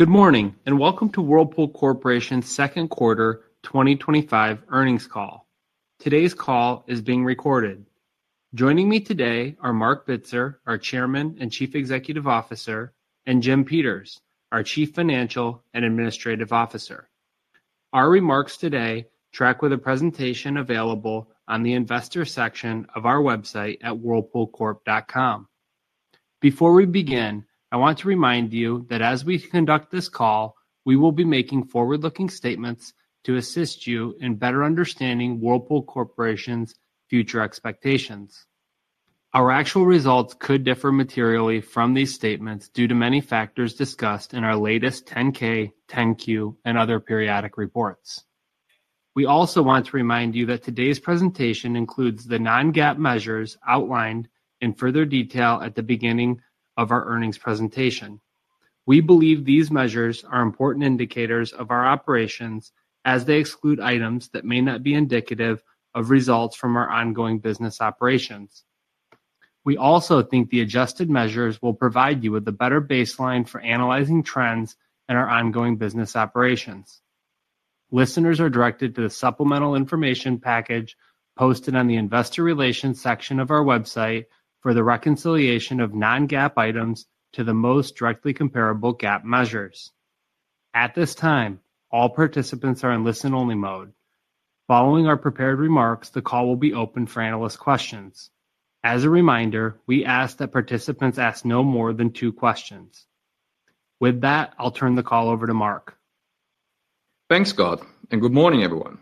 Good morning and welcome to Whirlpool Corporation second quarter 2025 earnings call. Today's call is being recorded. Joining me today are Marc Bitzer, our Chairman and Chief Executive Officer, and Jim Peters, our Chief Financial and Administrative Officer. Our remarks today track with a presentation available on the Investor section of our website at whirlpoolcorp.com. Before we begin, I want to remind you that as we conduct this call, we will be making forward-looking statements to assist you in better understanding Whirlpool Corporation's future expectations. Our actual results could differ materially from these statements due to many factors discussed in our latest 10-K, 10-Q, and other periodic reports. We also want to remind you that today's presentation includes the non-GAAP measures outlined in further detail at the beginning of our earnings presentation. We believe these measures are important indicators of our operations as they exclude items that may not be indicative of results from our ongoing business operations. We also think the adjusted measures will provide you with a better baseline for analyzing trends in our ongoing business operations. Listeners are directed to the supplemental information package posted on the Investor Relations section of our website for the reconciliation of non-GAAP items to the most directly comparable GAAP measures. At this time, all participants are in listen-only mode. Following our prepared remarks, the call will be open for analyst questions. As a reminder, we ask that participants ask no more than two questions. With that, I'll turn the call over to Marc. Thanks, Scott, and good morning, everyone.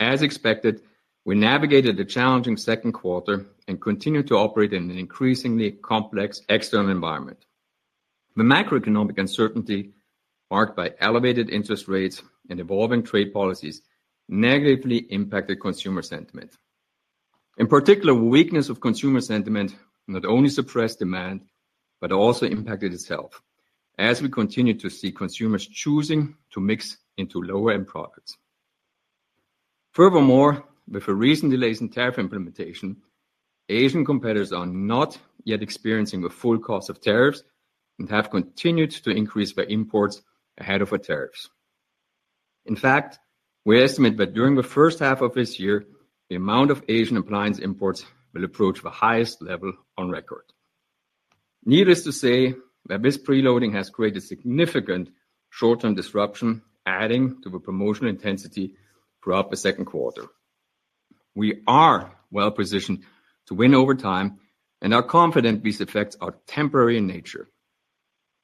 As expected, we navigated the challenging second quarter and continue to operate in an increasingly complex external environment. The macroeconomic uncertainty, marked by elevated interest rates and evolving trade policies, negatively impacted consumer sentiment. In particular, weakness of consumer sentiment not only suppressed demand, but also impacted itself as we continue to see consumers choosing to mix into lower end products. Furthermore, with recent delays in tariff implementation, Asian competitors are not yet experiencing the full cost of tariffs and have continued to increase their imports ahead of the tariffs. In fact, we estimate that during the first half of this year, the amount of Asian appliance imports will approach the highest level on record. Needless to say, this preloading has created significant short-term disruption, adding to the promotional intensity throughout the second quarter. We are well-positioned to win over time and are confident these effects are temporary in nature.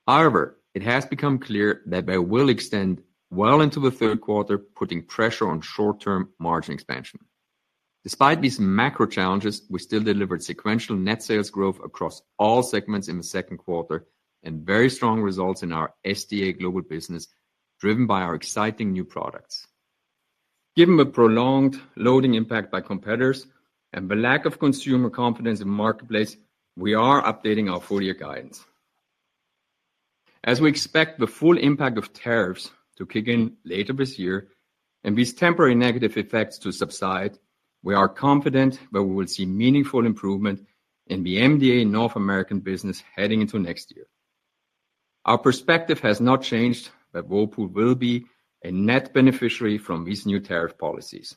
However, it has become clear that they will extend well into the third quarter, putting pressure on short-term margin expansion. Despite these macro challenges, we still delivered sequential net sales growth across all segments in the second quarter and very strong results in our SDA Global business driven by our exciting new products. Given the prolonged loading impact by competitors and the lack of consumer confidence in the marketplace, we are updating our full-year guidance. As we expect the full impact of tariffs to kick in later this year and these temporary negative effects to subside, we are confident that we will see meaningful improvement in the MDA North American business heading into next year. Our perspective has not changed, but Whirlpool will be a net beneficiary from these new tariff policies.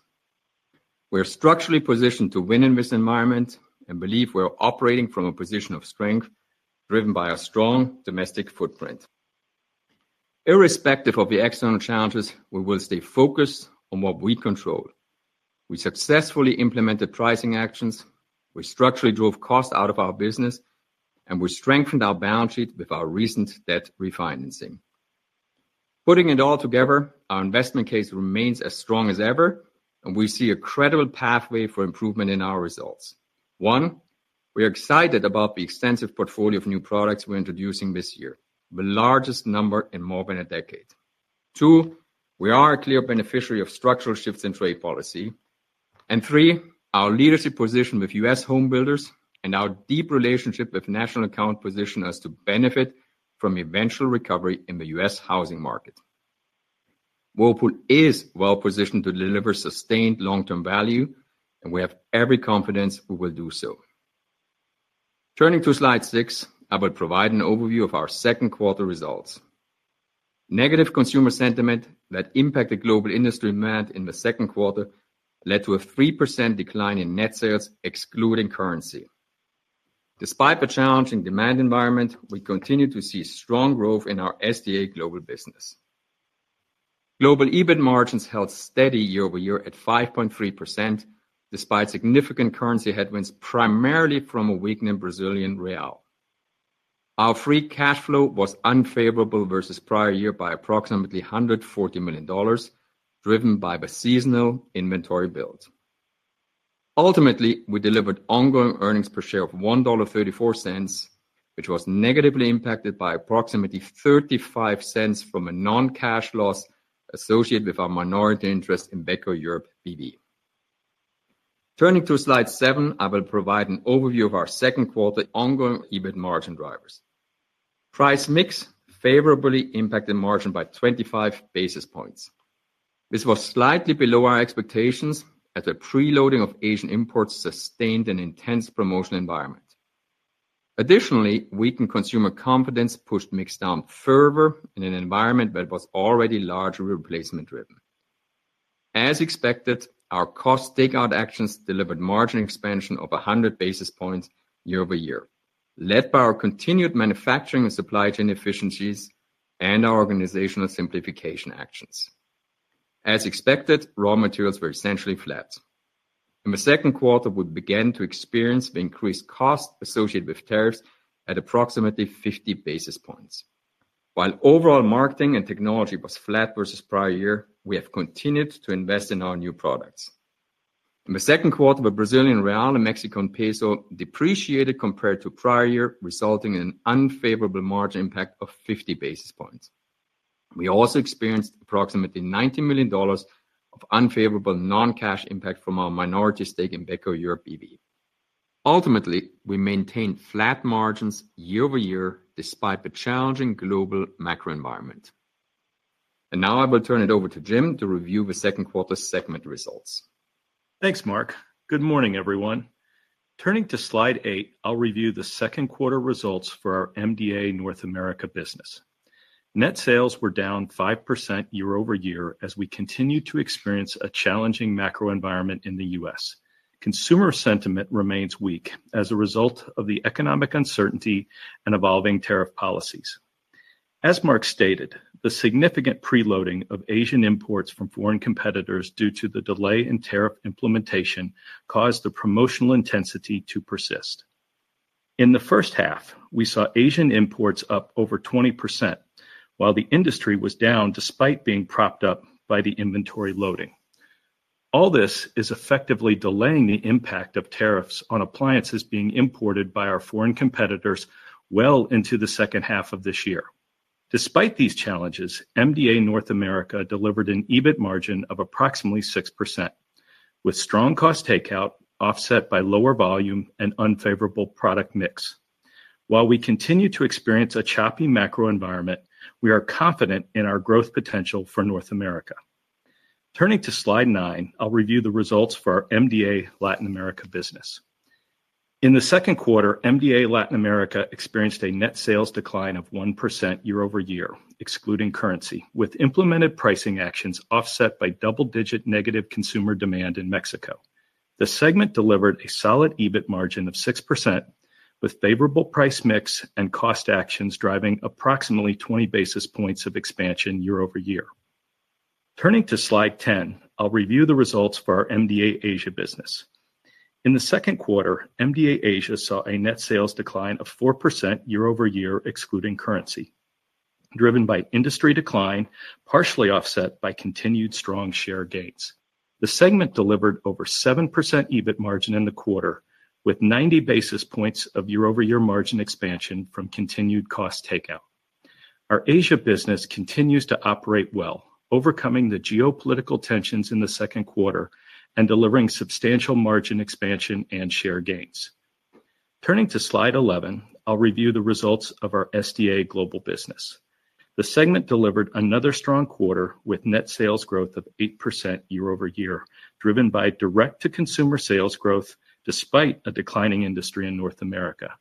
We are structurally positioned to win in this environment and believe we are operating from a position of strength driven by a strong domestic footprint. Irrespective of the external challenges, we will stay focused on what we control. We successfully implemented pricing actions, we structurally drove cost out of our business, and we strengthened our balance sheet with our recent debt refinancing. Putting it all together, our investment case remains as strong as ever and we see a credible pathway for improvement in our results. One, we are excited about the extensive portfolio of new products we're introducing this year, the largest number in more than a decade. Two, we are a clear beneficiary of structural shifts in trade policy, and three, our leadership position with U.S. home builders and our deep relationship with national accounts position us to benefit from eventual recovery in the U.S. housing market. Whirlpool is well-positioned to deliver sustained long term value, and we have every confidence we will do so. Turning to slide six, I will provide an overview of our second quarter results. Negative consumer sentiment that impacted global industry demand in the second quarter led to a 3% decline in net sales excluding currency. Despite the challenging demand environment, we continue to see strong growth in our SDA Global business. Global EBIT margins held steady year-over-year at 5.3% despite significant currency headwinds, primarily from a weakening Brazilian real. Our free cash flow was unfavorable versus prior year by approximately $140 million, driven by the seasonal inventory build. Ultimately, we delivered ongoing EPS of $1.34, which was negatively impacted by approximately $0.35 from a non-cash loss associated with our minority interest in Beko Europe B.V., b.v. Turning to slide seven, I will provide an overview of our second quarter ongoing EBIT margin drivers. Price mix favorably impacted margin by 25 basis points. This was slightly below our expectations as the preloading of Asian imports sustained an intense promotional environment. Additionally, weakened consumer confidence pushed mix down further in an environment that was already largely replacement driven. As expected, our cost takeout actions delivered margin expansion of 100 basis points year-over-year, led by our continued manufacturing and supply chain efficiencies and our organizational simplification actions. As expected, raw materials were essentially flat. In the second quarter, we began to experience the increased cost associated with tariff implementation at approximately 50 basis points. While overall marketing and technology was flat versus prior year, we have continued to invest in our new products. In the second quarter, the Brazilian real and Mexican peso depreciated compared to prior year, resulting in an unfavorable margin impact of 50 basis points. We also experienced approximately $90 million of unfavorable non-cash impact from our minority stake in Beko Europe B.V.. Ultimately, we maintained flat margins year-over-year despite the challenging global macroeconomic environment. I will now turn it over to Jim to review the second quarter segment results. Thanks, Marc. Good morning, everyone. Turning to slide eight, I'll review the second quarter results for our MDA North America business. Net sales were down 5% year-over-year as we continue to experience a challenging macroeconomic environment. In the U.S., consumer sentiment remains weak as a result of the economic uncertainty and evolving tariff policies. As Marc stated, the significant preloading of Asian imports from foreign competitors due to the delay in tariff implementation caused the promotional intensity to persist. In the first half, we saw Asian imports up over 20% while the industry was down despite being propped up by the inventory loading. All this is effectively delaying the impact of tariffs on appliances being imported by our foreign competitors well into the second half of this year. Despite these challenges, MDA North America delivered an EBIT margin of approximately 6% with strong cost takeout actions offset by lower volume and unfavorable product mix. While we continue to experience a choppy macroeconomic environment, we are confident in our growth potential for North America. Turning to slide nine, I'll review the results for our MDA Latin America business. In the second quarter, MDA Latin America experienced a net sales decline of 1% year-over-year excluding currency, with implemented pricing actions offset by double-digit negative consumer demand. In Mexico, the segment delivered a solid EBIT margin of 6% with favorable price mix and cost actions driving approximately 20 basis points of expansion year-over-year. Turning to slide 10, I'll review the results for our MDA Asia business. In the second quarter, MDA Asia saw a net sales decline of 4% year-over-year excluding currency, driven by industry decline partially offset by continued strong share gains. The segment delivered over 7% EBIT margin in the quarter with 90 basis points of year-over-year margin expansion from continued cost takeout actions. Our Asia business continues to operate well, overcoming the geopolitical tensions in the second quarter and delivering substantial margin expansion and share gains. Turning to slide 11, I'll review the results of our SDA Global business. The segment delivered another strong quarter with net sales growth of 8% year-over-year driven by direct-to-consumer sales growth. Despite a declining industry in North America,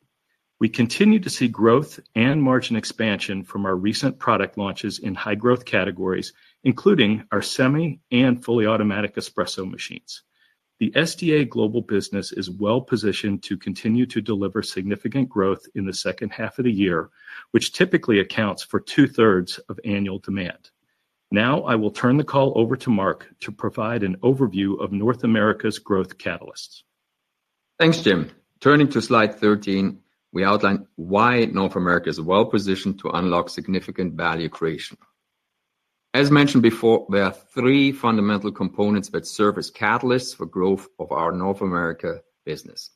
we continue to see growth and margin expansion from our recent product launches in high-growth categories including our semi- and fully-automatic espresso machines. The SDA Global business is well-positioned to continue to deliver significant growth in the second half of the year, which typically accounts for two-thirds of annual demand. Now I will turn the call over to Marc to provide an overview of North America's growth catalysts. Thanks, Jim. Turning to slide 13, we outline why North America is well-positioned to unlock significant value creation. As mentioned before, there are three fundamental components that serve as catalysts for growth of our North America business.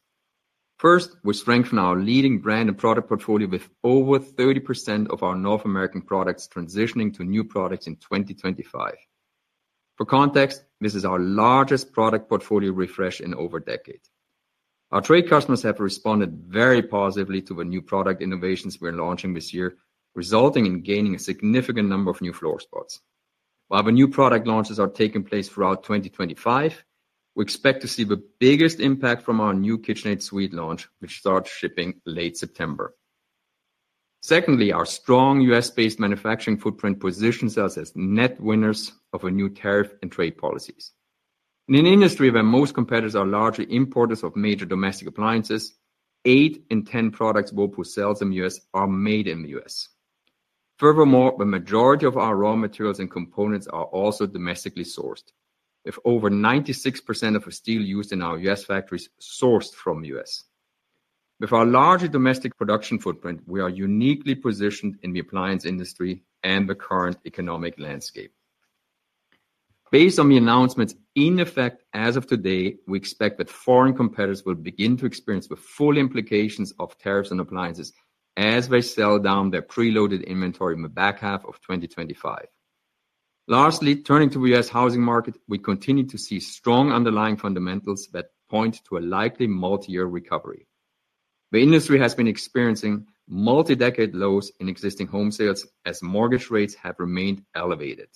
First, we strengthen our leading brand and product portfolio with over 30% of our North American products transitioning to new products in 2025. For context, this is our largest product portfolio refresh in over a decade. Our trade customers have responded very positively to the new product innovations we're launching this year, resulting in gaining a significant number of new floor spots. While the new product launches are taking place throughout 2025, we expect to see the biggest impact from our new KitchenAid suite launch, which starts shipping late September. Secondly, our strong U.S.-based manufacturing footprint positions us as net winners of our new tariff and trade policies. In an industry where most competitors are largely importers of major domestic appliances, eight in 10 products Whirlpool sells in the U.S. are made in the U.S. Furthermore, the majority of our raw materials and components are also domestically sourced, with over 96% of the steel used in our U.S. factories sourced from us. With our larger domestic production footprint, we are uniquely positioned in the appliance industry and the current economic landscape. Based on the announcements in effect as of today, we expect that foreign competitors will begin to experience the full implications of tariffs in appliances as they sell down their preloaded inventory in the back half of 2025. Lastly, turning to the U.S. housing market, we continue to see strong underlying fundamentals that point to a likely multi-year recovery. The industry has been experiencing multi-decade lows in existing home sales as mortgage rates have remained elevated.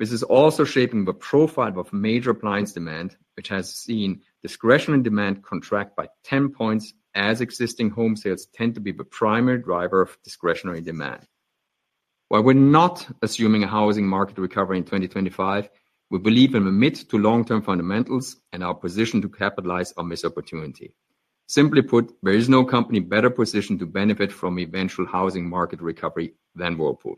This is also shaping the profile of major appliance demand, which has seen discretionary demand contract by 10 points as existing home sales tend to be the primary driver of discretionary demand. While we're not assuming a housing market recovery in 2025, we believe in the mid to long term fundamentals and our position to capitalize on missed opportunity. Simply put, there is no company better positioned to benefit from eventual housing market recovery than Whirlpool.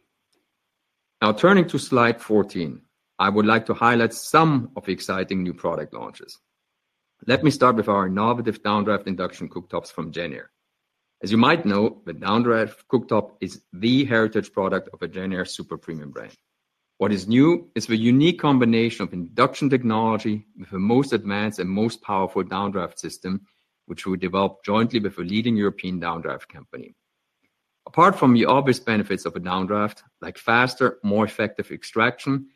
Now, turning to slide 14, I would like to highlight some of the exciting new product launches. Let me start with our innovative downdraft induction cooktops from JennAir. As you might know, the downdraft cooktop is the heritage product of a JennAir super premium brand. What is new is the unique combination of induction technology with the most advanced and most powerful downdraft system, which we developed jointly with a leading European downdraft company. Apart from the obvious benefits of a downdraft like faster, more effective extraction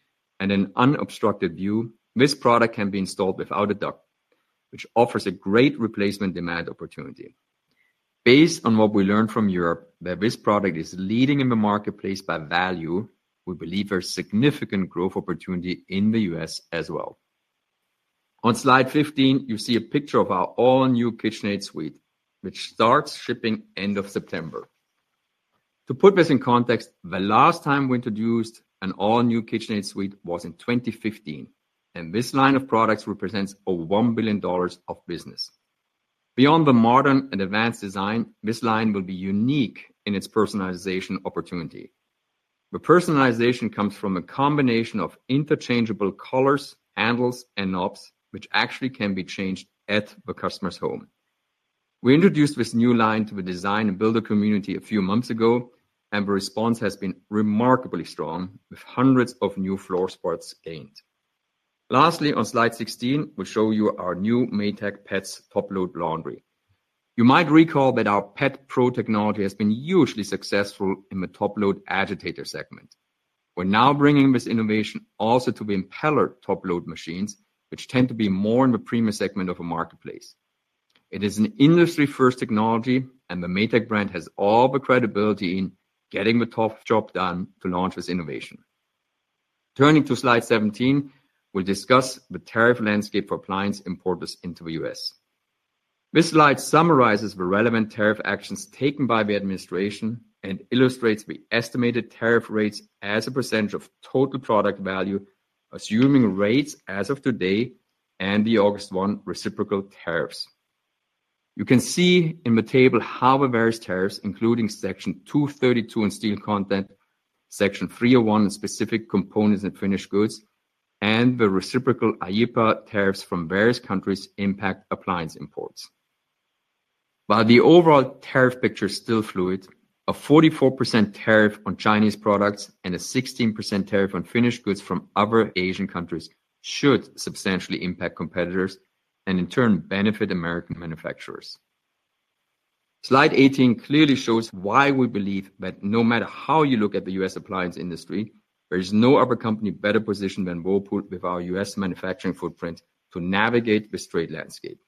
and an unobstructed view, this product can be installed without a duct, which offers a great replacement demand opportunity. Based on what we learned from Europe, that this product is leading in the marketplace by value, we believe there's significant growth opportunity in the U.S. as well. On slide 15, you see a picture of our all new KitchenAid suite, which starts shipping end of September. To put this in context, the last time we introduced an all new KitchenAid suite was in 2015, and this line of products represents over $1 billion of business. Beyond the modern and advanced design, this line will be unique in its personalization opportunity. The personalization comes from a combination of interchangeable colors, handles, and knobs, which actually can be changed at the customer's home. We introduced this new line to the design and builder community a few months ago, and the response has been remarkably strong with hundreds of new floor spots gained. Lastly, on slide 16, we show you our new Maytag Pet Top Load laundry. You might recall that our Pet Pro technology has been hugely successful in the top load agitator segment. We're now bringing this innovation also to the impeller top load machines, which tend to be more in the premium segment of the marketplace. It is an industry first technology, and the Maytag brand has all the credibility in getting the top job done to launch this innovation. Turning to slide 17, we'll discuss the tariff landscape for appliance importers into the U.S. This slide summarizes the relevant tariff actions taken by the administration and illustrates the estimated tariff rates as a percentage of total product value. Assuming rates as of today and the August 1 reciprocal tariffs, you can see in the table how the various tariffs, including Section 232 in steel content, Section 301 specific components and finished goods, and the reciprocal IIPA tariffs from various countries, impact appliance imports while the overall tariff picture is still fluid. A 44% tariff on Chinese products and a 16% tariff on finished goods from other Asian countries should substantially impact competitors and in turn benefit American manufacturers. Slide 18 clearly shows why we believe that no matter how you look at the U.S. appliance industry, there is no other company better positioned than Whirlpool with our U.S. manufacturing footprint to navigate the straight landscape.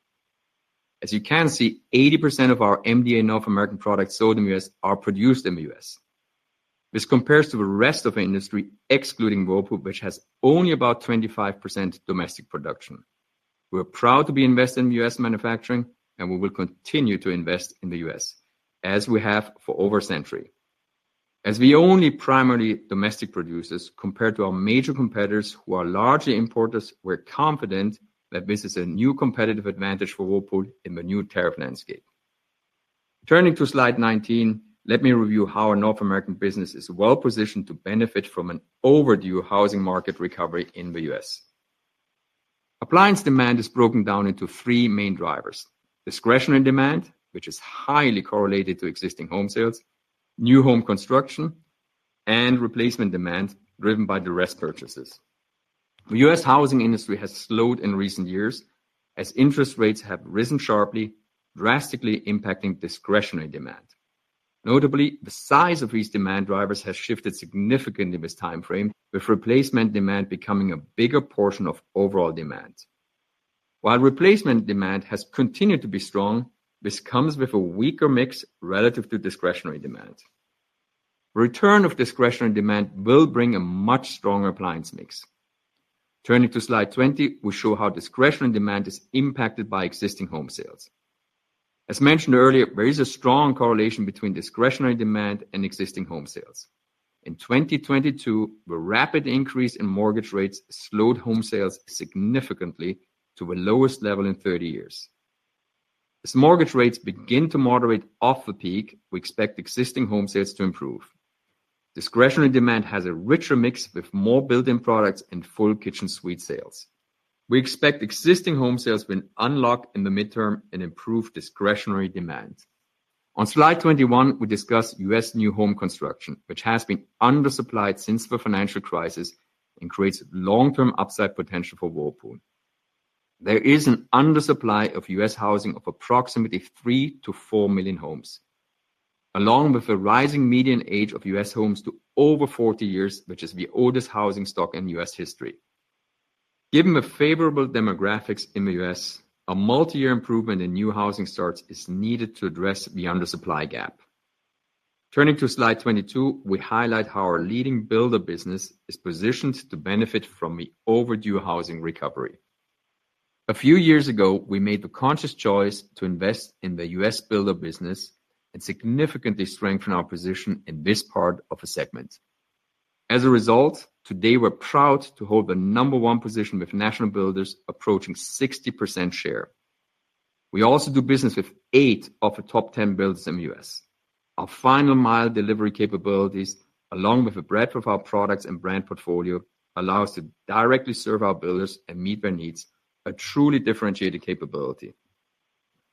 As you can see, 80% of our MDA North American products sold in the U.S. are produced in the U.S. This compares to the rest of the industry excluding Whirlpool, which has only about 25% domestic production. We're proud to be invested in U.S. manufacturing and we will continue to invest in the U.S. as we have for over a century. As we are one of the only primarily domestic producers compared to our major competitors who are largely importers, we're confident that this is a new competitive advantage for Whirlpool in the new tariff landscape. Turning to slide 19, let me review how our North American business is well-positioned to benefit from an overdue housing market recovery. In the U.S., appliance demand is broken down into three main categories: discretionary demand, which is highly correlated to existing home sales, new home construction, and replacement demand driven by the rest purchases. The U.S. housing industry has slowed in recent years as interest rates have risen sharply, drastically impacting discretionary demand. Notably, the size of these demand drivers has shifted significantly in this time frame with replacement demand becoming a bigger portion of overall demand. While replacement demand has continued to be strong, this comes with a weaker mix relative to discretionary demand. Return of discretionary demand will bring a much stronger appliance mix. Turning to slide 20, we show how discretionary demand is impacted by existing home sales. As mentioned earlier, there is a strong correlation between discretionary demand and existing home sales. In 2022, the rapid increase in mortgage rates slowed home sales significantly to the lowest level in 30 years. As mortgage rates begin to moderate off the peak, we expect existing home sales to improve. Discretionary demand has a richer mix with more built-in products and full kitchen suite sales. We expect existing home sales will unlock in the midterm and improve discretionary demand. On slide 21, we discuss U.S. new home construction which has been under supplied since the financial crisis and creates long-term upside potential for Whirlpool. There is an undersupply of U.S. housing of approximately 3 million-4 million homes, along with the rising median age of U.S. homes to over 40 years, which is the oldest housing stock in U.S. history. Given the favorable demographics in the U.S., a multi-year improvement in new housing starts is needed to address the undersupply gap. Turning to slide 22, we highlight how our leading builder business is positioned to benefit from the overdue housing recovery. A few years ago, we made the conscious choice to invest in the U.S. Builder business and significantly strengthen our position in this part of the segment. As a result, today we're proud to hold the number one position with national builders, approaching 60% share. We also do business with eight of the top 10 builders in the U.S. Our final mile delivery capabilities, along with the breadth of our products and brand portfolio, allow us to directly serve our builders and meet their needs. A truly differentiated capability.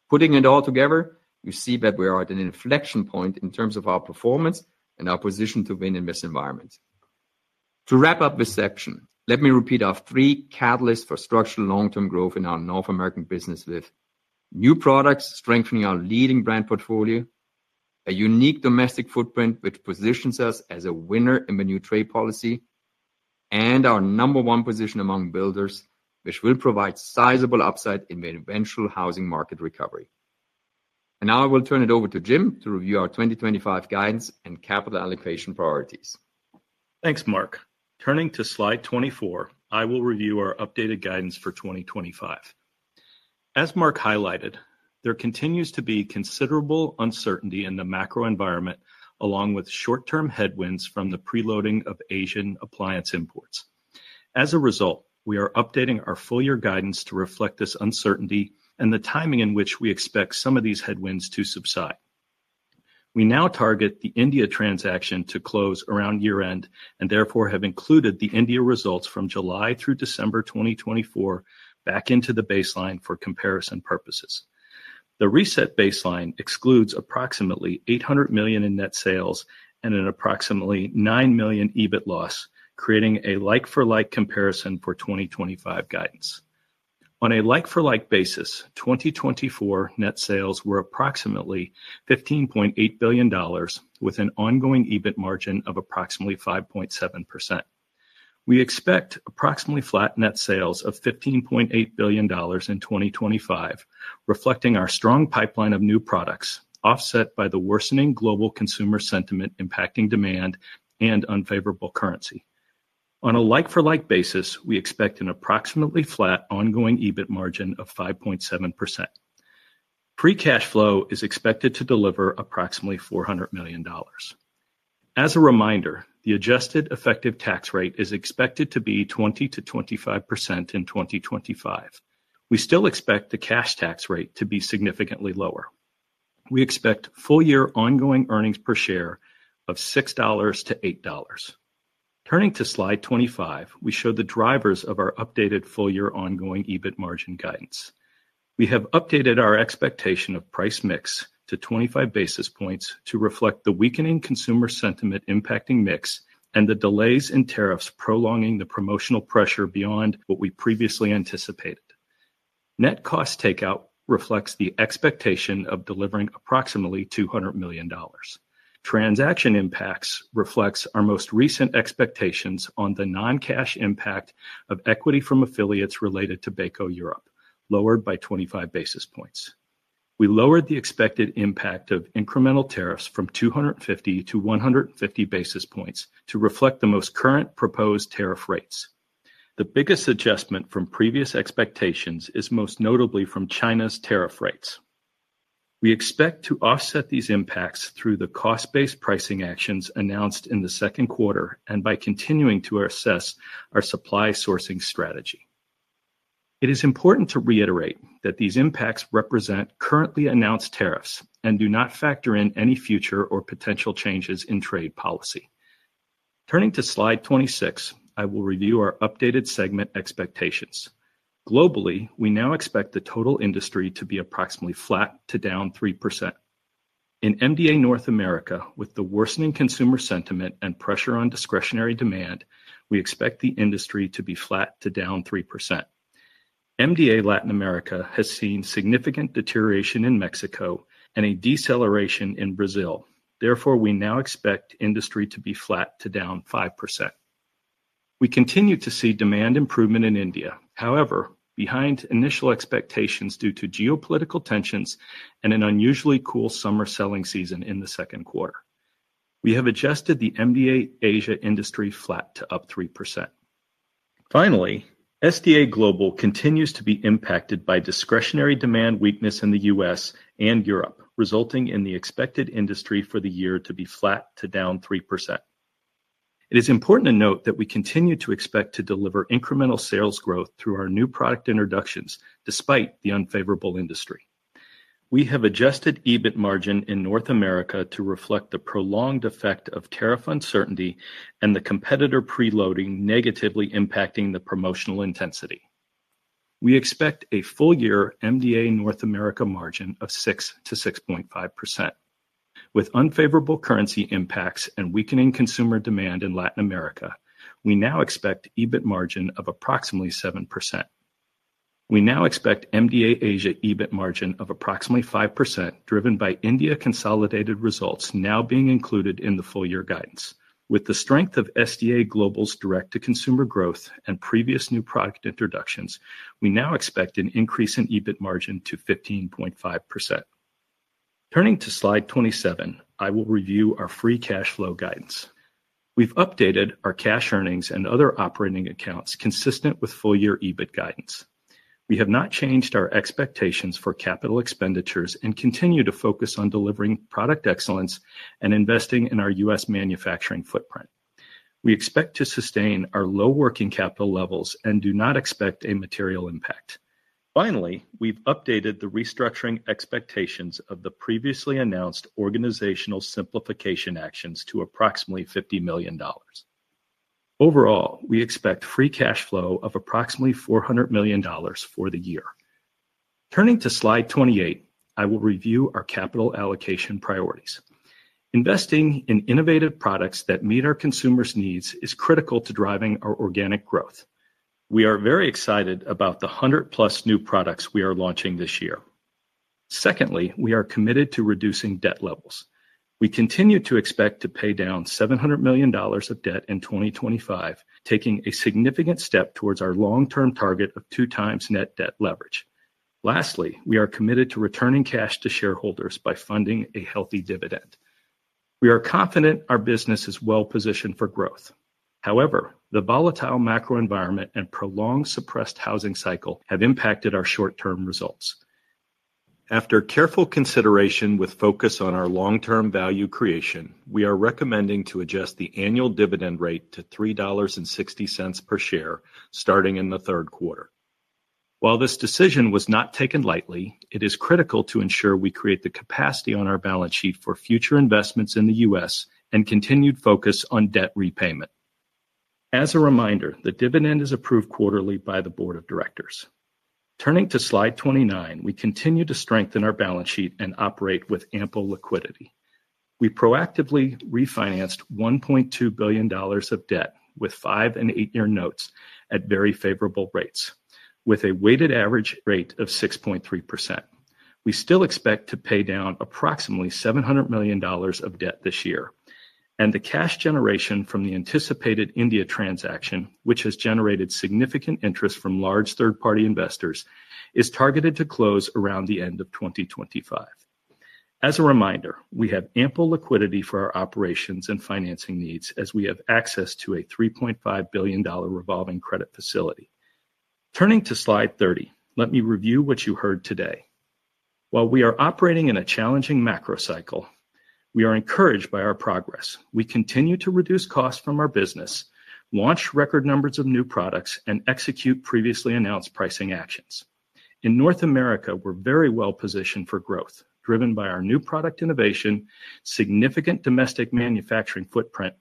Putting it all together, you see that we are at an inflection point in terms of our performance and our position to win in this environment. To wrap up this section, let me repeat our three catalysts for structural long-term growth in our North American business: with new products strengthening our leading brand portfolio, a unique domestic footprint which positions us as a winner in the new trade policy, and our number one position among builders which will provide sizable upside in the eventual housing market recovery. Now I will turn it over to Jim to review our 2025 guidance and capital allocation priorities. Thanks, Marc. Turning to slide 24, I will review our updated guidance for 2025. As Marc highlighted, there continues to be considerable uncertainty in the macroeconomic environment along with short-term headwinds from the preloading of Asian appliance imports. As a result, we are updating our full-year guidance to reflect this uncertainty and the timing in which we expect some of these headwinds to subside. We now target the India transaction to close around year-end and therefore have included the India results from July through December 2024 back into the baseline for comparison purposes. The reset baseline excludes approximately $800 million in net sales and an approximately $9 million EBIT loss, creating a like-for-like comparison for 2025 guidance. On a like-for-like basis, 2024 net sales were approximately $15.8 billion with an ongoing EBIT margin of approximately 5.7%. We expect approximately flat net sales of $15.8 billion in 2025, reflecting our strong pipeline of new products offset by the worsening global consumer sentiment impacting demand and unfavorable currency. On a like-for-like basis, we expect an approximately flat ongoing EBIT margin of 5.7%. Free cash flow is expected to deliver approximately $400 million. As a reminder, the adjusted effective tax rate is expected to be 20%-25% in 2025. We still expect the cash tax rate to be significantly lower. We expect full-year ongoing EPS of $6-$8. Turning to slide 25, we show the drivers of our updated full-year ongoing EBIT margin guidance. We have updated our expectation of price mix to 25 basis points to reflect the weakening consumer sentiment impacting mix and the delays in tariff implementation prolonging the promotional pressure beyond what we previously anticipated. Net cost takeout reflects the expectation of delivering approximately $200 million. Transaction impacts reflect our most recent expectations on the non-cash impact of equity from affiliates related to Beko Europe, lowered by 25 basis points. We lowered the expected impact of incremental tariffs from 250-150 basis points to reflect the most current proposed tariff rates. The biggest adjustment from previous expectations is most notably from China's tariff rates. We expect to offset these impacts through the cost-based pricing actions announced in the second quarter and by continuing to assess our supply sourcing strategy. It is important to reiterate that these impacts represent currently announced tariffs and do not factor in any future or potential changes in trade policy. Turning to slide 26, I will review our updated segment expectations. Globally, we now expect the total industry to be approximately flat to down 3% in MDA North America. With the worsening consumer sentiment and pressure on discretionary demand, we expect the industry to be flat to down 3%. MDA Latin America has seen significant deterioration in Mexico and a deceleration in Brazil, therefore, we now expect industry to be flat to down 5%. We continue to see demand improvement in India. However, behind initial expectations due to geopolitical tensions and an unusually cool summer selling season in the second quarter, we have adjusted the MDA Asia industry flat to up 3%. Finally, SDA Global continues to be impacted by discretionary demand weakness in the U.S. and Europe, resulting in the expected industry for the year to be flat to down 3%. It is important to note that we continue to expect to deliver incremental sales growth through our new product introductions. Despite the unfavorable industry, we have adjusted EBIT margin in North America to reflect the prolonged effect of tariff uncertainty and the competitor preloading negatively impacting the promotional intensity. We expect a full year MDA North America margin of 6%-6.5%. With unfavorable currency impacts and weakening consumer demand in Latin America, we now expect EBIT margin of approximately 7%. We now expect MDA Asia EBIT margin of approximately 5% driven by India consolidated results now being included in the full year guidance. With the strength of SDA Global's direct to consumer growth and previous new product introductions, we now expect an increase in EBIT margin to 15.5%. Turning to slide 27, I will review our free cash flow guidance. We've updated our cash earnings and other operating accounts consistent with full year EBIT guidance. We have not changed our expectations for capital expenditures and continue to focus on delivering product excellence and investing in our U.S. manufacturing footprint. We expect to sustain our low working capital levels and do not expect a material impact. Finally, we've updated the restructuring expectations of the previously announced organizational simplification actions to approximately $50 million. Overall, we expect free cash flow of approximately $400 million for the year. Turning to slide 28, I will review our capital allocation priorities. Investing in innovative products that meet our consumers' needs is critical to driving our organic growth. We are very excited about the 100+ new products we are launching this year. Secondly, we are committed to reducing debt levels. We continue to expect to pay down $700 million of debt in 2025, taking a significant step towards our long-term target of 2x net debt leverage. Lastly, we are committed to returning cash to shareholders by funding a healthy dividend. We are confident our business is well-positioned for growth. However, the volatile macroeconomic environment and prolonged suppressed housing cycle have impacted our short-term results. After careful consideration with focus on our long-term value creation, we are recommending to adjust the annual dividend rate to $3.60 per share starting in the third quarter. While this decision was not taken lightly, it is critical to ensure we create the capacity on our balance sheet for future investments in the U.S. and continued focus on debt repayment. As a reminder, the dividend is approved quarterly by the Board of Directors. Turning to slide 29, we continue to strengthen our balance sheet and operate with ample liquidity. We proactively refinanced $1.2 billion of debt with five and eight year notes at very favorable rates with a weighted average rate of 6.3%. We still expect to pay down approximately $700 million of debt this year and the cash generation from the anticipated India transaction, which has generated significant interest from large third-party investors, is targeted around the end of 2025. As a reminder, we have ample liquidity for our operations and financing needs as we have access to a $3.5 billion revolving credit facility. Turning to slide 30, let me review what you heard today. While we are operating in a challenging macro cycle, we are encouraged by our progress. We continue to reduce costs from our business, launch record numbers of new products, and execute previously announced pricing actions in North America. We're very well-positioned for growth driven by our new product innovation, significant domestic manufacturing footprint,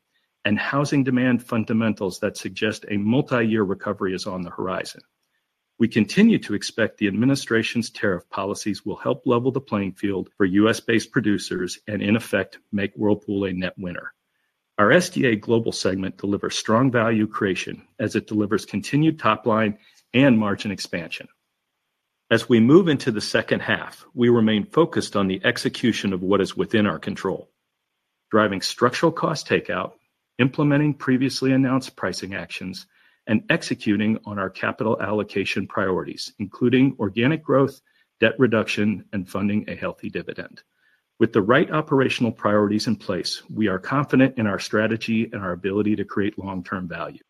and housing demand fundamentals that suggest a multi-year recovery is on the horizon. We continue to expect the aministration's tariff policies will help level the playing field for U.S.-based producers and in effect make Whirlpool a net winner. Our SDA Global segment delivers strong value creation as it delivers continued top line and margin expansion. As we move into the second half, we remain focused on the execution of what is within our control, driving structural cost takeout, implementing previously announced pricing actions, and executing on our capital allocation priorities including organic growth, debt reduction, and funding a healthy dividend. With the right operational priorities in place, we are confident in our strategy and our ability to create long term value.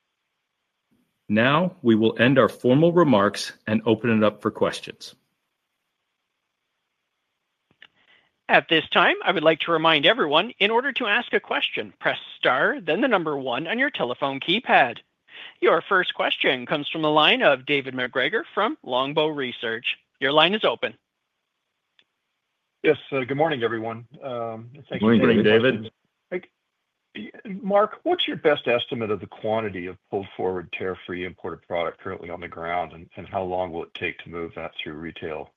Now we will end our formal remarks and open it up for questions. At this time, I would like to remind everyone in order to ask a question, press Star, then the number one on your telephone keypad. Your first question comes from the line of David MacGregor from Longbow Research. Your line is open. Yes, good morning everyone. Marc, what's your best estimate of the quantity of pulled forward tariff-free imported product currently on the ground, and how long will it take to move that through retail?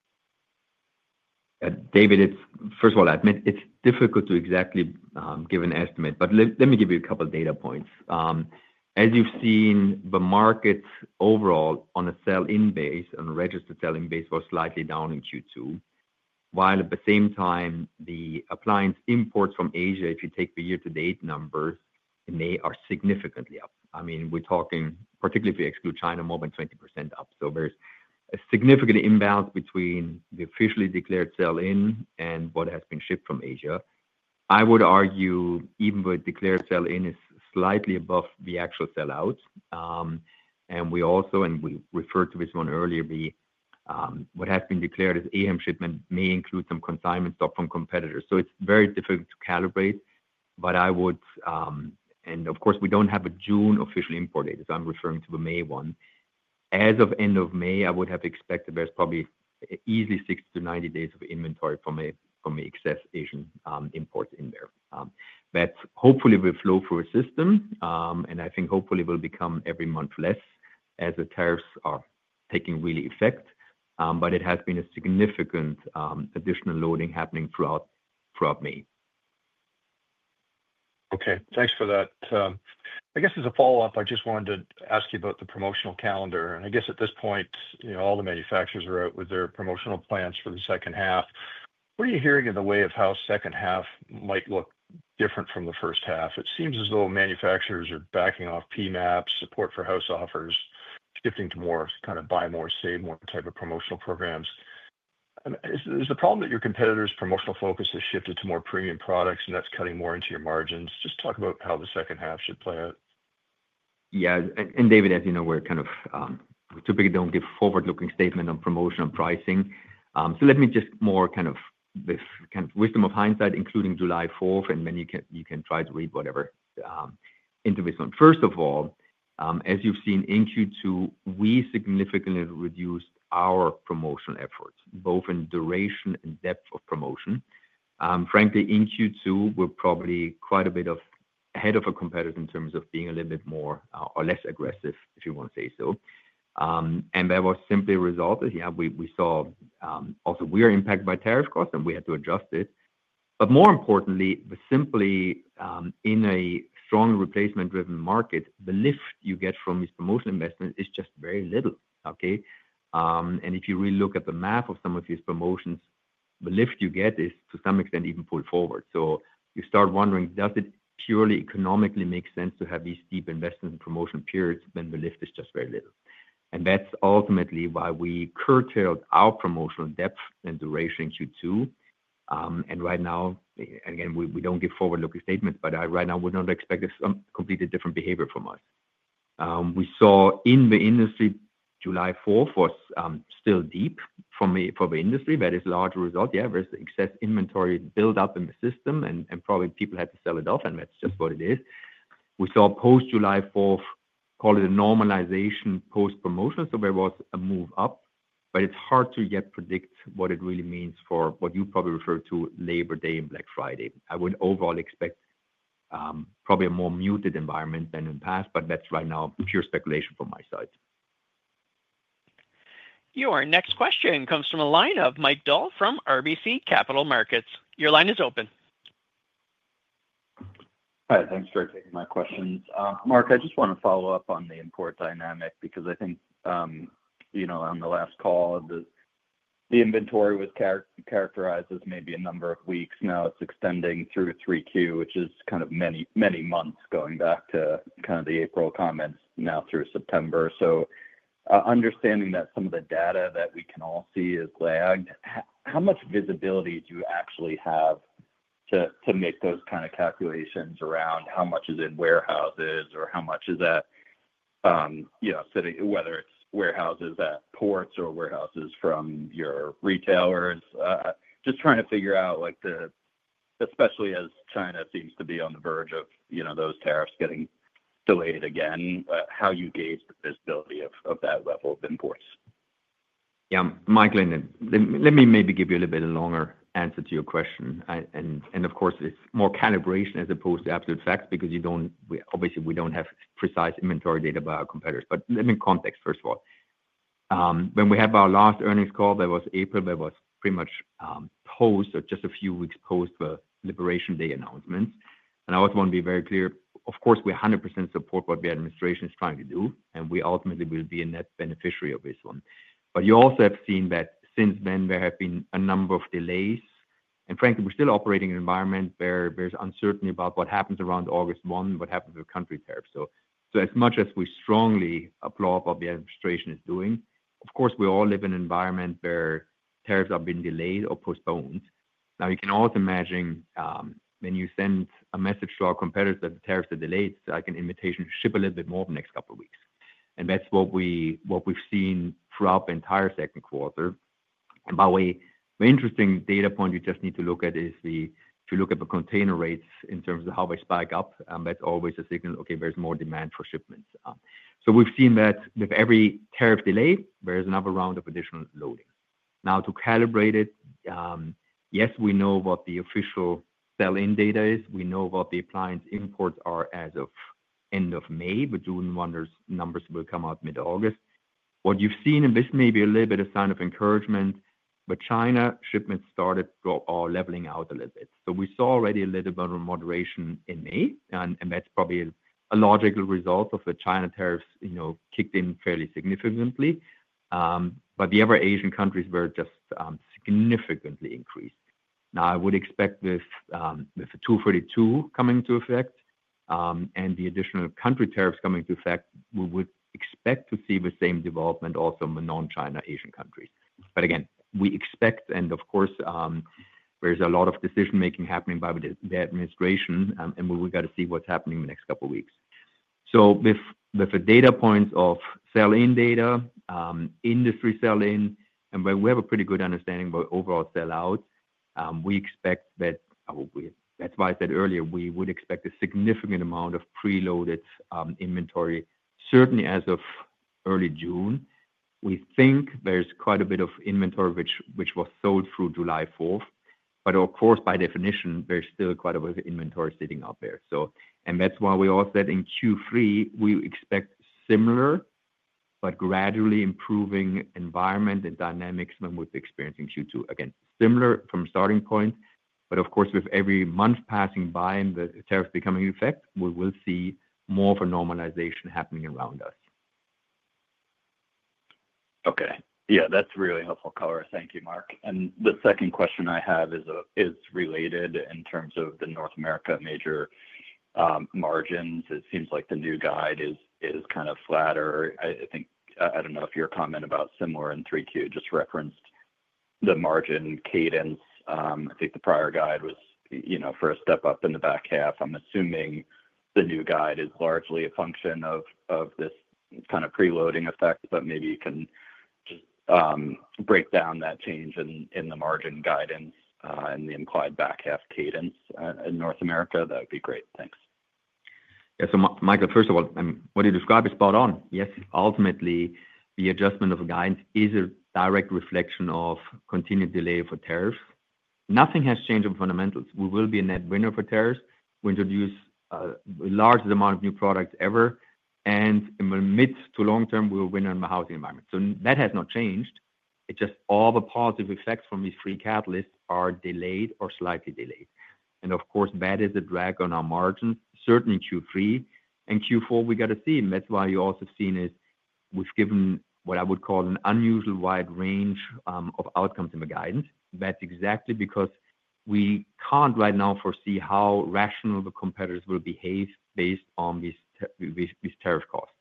David, first of all it's difficult to exactly give an estimate, but let me give you a couple data points. As you've seen, the market overall on a sell-in base, on a registered sell-in base was slightly down in Q2, while at the same time the appliance imports from Asia, if you take the year-to-date numbers, they are significantly up. I mean we're talking particularly if you exclude China, more than 20% up. There's a significant imbalance between the officially declared sell-in and what has been shipped from Asia. I would argue even with declared sell-in is slightly above the actual sell-out. We also, and we referred to this one earlier, what has been declared as a shipment may include some consignment stock from competitors. It's very difficult to calibrate. We don't have a June official import date. I'm referring to the May 1. As of end of May I would have expected there's probably easily 60-90 days of inventory from the excess Asian imports in there that hopefully will flow through a system and I think hopefully will become every month less as the tariffs are taking really effect. It has been a significant additional loading happening throughout May. Okay, thanks for that. As a follow up, I just wanted to ask you about the promotional calendar, and I guess at this point all the manufacturers are out with their promotional plans for the second half. What are you hearing in the way of how second half might look different from the first half? It seems as though manufacturers are backing off PMAPs, support for house offers, shifting to more kind of buy more, save more type of promotional programs. Is the problem that your competitors' promotional focus has shifted to more premium products and that's cutting more into your margins? Just talk about how the second half should play out. Yeah. David, as you know we're kind of typically don't give forward looking statement on promotion and pricing. Let me just more kind of wisdom of hindsight including July 4th and then you can try to read whatever into this one. First of all, as you've seen in Q2 we significantly reduced our promotional efforts both in duration and depth of promotion. Frankly, in Q2 we're probably quite a bit ahead of our competitors in terms of being a little bit more or less aggressive, if you want to say so. That was simply a result we saw. Also, we're impacted by tariff costs and we had to adjust it. More importantly, simply in a strong replacement driven market, the lift you get from these promotional investment is just very little. If you really look at the math of some of these promotions, the lift you get is to some extent even pulled forward. You start wondering does it purely economically make sense to have these deep investment promotion periods when the lift is just very little? That's ultimately why we curtailed our promotional depth and duration Q2. Right now again we don't give forward looking statements. Right now I would not expect completely different behavior from us. We saw in the industry July 4th was still deep for the industry. That is a large result. There's excess inventory build up in the system and probably people had to sell it off and that's just what it is. We saw post July 4th call it a normalization post promotion. There was a move up but it's hard to yet predict what it really means. For what you probably refer to Labor Day and Black Friday, I would overall expect probably a more muted environment than in the past. That's right now pure speculation from my side. Your next question comes from a line of Mike Dahl from RBC Capital Markets. Your line is open. Hi, thanks for taking my questions, Marc. I just want to follow up on. The import dynamic, because I think, you know, on the last call the inventory was characterized as maybe a number of weeks. Now it's extending through 3Q, which is kind of many, many months, going back to the April comments now through September. Understanding that some of the data that we can all see is lagged, how much visibility do you actually have to make those kind of calculations around how much is in warehouses or how much is at, you know, city, whether it's warehouses at ports or warehouses from your retailers? Just trying to figure out the, especially as China seems to be on. the verge of, you know, those tariffs getting delayed again, how you gauge the visibility of that level of imports. Yeah, Michael, let me maybe give you a little bit longer answer to your question. Of course, it's more calibration as opposed to absolute facts because obviously we don't have precise inventory data by our competitors. Let me context first of all, when we had our last earnings call, that was April, that was pretty much post or just a few weeks post the Liberation Day announcements. I also want to be very clear, of course we 100% support what the administration is trying to do and we ultimately will be a net beneficiary of this one. You also have seen that since then there have been a number of delays and frankly we're still operating in an environment where there's uncertainty about what happens around August 1, what happens with country tariffs. As much as we strongly applaud what the administration is doing, of course we all live in an environment where tariffs have been delayed or postponed. Now, you can also imagine when you send a message to our competitors that the tariffs are delayed, like an invitation to ship a little bit more for the next couple of weeks. That's what we've seen throughout the entire second quarter. By the way, the interesting data point you just need to look at is if you look at the container rates in terms of how they spike up, that's always a signal there's more demand for shipments. We've seen that with every tariff delay there is another round of additional loading. Now, to calibrate it, yes, we know what the official sell-in data is. We know what the appliance imports are as of end of May. June numbers will come out mid-August. What you've seen, and this may be a little bit of sign of encouragement, but China shipments started leveling out a little bit. We saw already a little bit of moderation in May and that's probably a logical result of the China tariffs kicked in fairly significantly, but the other Asian countries were just significantly increased. I would expect this with the 232 coming to effect and the additional country tariffs coming to effect, we would expect to see the same development also in the non-China Asian countries. Again, we expect and of course there's a lot of decision making happening by the administration and we've got to see what's happening the next couple of weeks. With the data points of sell-in data, industry sell-in, and where we have a pretty good understanding of overall sellout, we expect that. That's why I said earlier we would expect a significant amount of preloaded inventory. Certainly as of early June, we think there's quite a bit of inventory which was sold through July 4th. Of course, by definition, there's still quite a bit of inventory sitting out there. That's why we also said in Q3 we expect a similar but gradually improving environment and dynamics to what we experienced in Q2. Again, similar from a starting point, but with every month passing by and the tariffs becoming effective, we will see more of a normalization happening around us. Okay, yeah, that's really helpful color. Thank you, Marc. The second question I have is related in terms of the North America major margins. It seems like the new guide is kind of flatter. I think, I don't know if your comment about similar in 3Q just referenced the margin cadence. I think the prior guide was, you know, for a step up in the back half. I'm assuming the new guide is largely a function of this kind of preloading effect, but maybe you can just break down that change in the margin guidance and the implied back half cadence in North America. That would be great. Thanks, Michael. First of all, what you described is spot on. Yes, ultimately the adjustment of guidance is a direct reflection of continued delay for tariffs. Nothing has changed in fundamentals. We will be a net winner for tariffs. We introduce the largest amount of new products ever, and in the mid to long-term we will win in the housing environment. That has not changed. It's just all the positive effects from these free catalysts are delayed or slightly delayed. Of course, that is a drag on our margin. Certainly, Q3 and Q4 we got a theme. That's why you also see is we've given what I would call an unusual wide range of outcomes in the guidance. That's exactly because we can't right now foresee how rational the competitors will behave based on these tariff costs.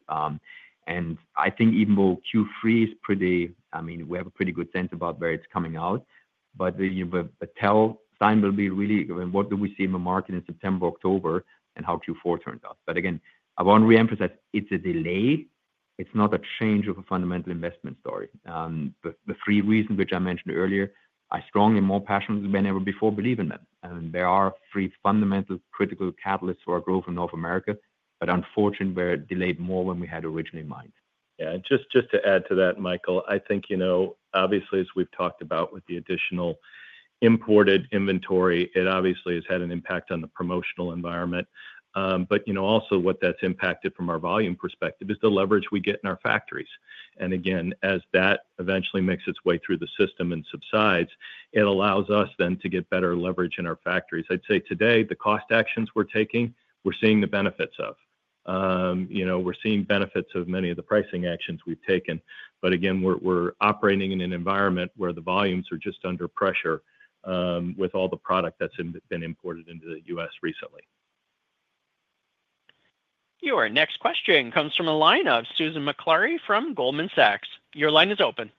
I think even though Q3 is pretty, I mean we have a pretty good sense about where it's coming out, but the tell sign will be really what do we see in the market in September, October, and how Q4 turns out. Again, I want to reemphasize it's a delay, it's not a change of a fundamental investment story. The three reasons which I mentioned earlier I strongly, more passionately than ever before, believe in them. There are three fundamental critical catalysts for our growth in North America. Unfortunately, we're delayed more than we had originally in mind. Yeah. Just to add to that, Michael, I think obviously, as we've talked about with the additional imported inventory, it obviously has had an impact on the promotional environment, but also what that's impacted from our volume perspective is the leverage we get in our factories. As that eventually makes its way through, the system subsides, it allows us then to get better leverage in our factories. I'd say today the cost actions we're taking, we're seeing the benefits of, we're seeing benefits of many of the pricing actions we've taken. We're operating in an environment where the volumes are just under pressure with all the product that's been imported into the U.S. recently. Your next question comes from a line of Susan Maklari from Goldman Sachs. Your line is open.